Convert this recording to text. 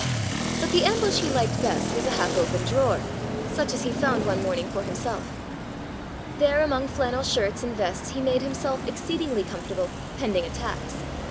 But the ambush he liked best was a half opened drawer, such as he found one morning for himself. There among flannel shirts and vests he made him self exceedingly comfortable, pending attacks.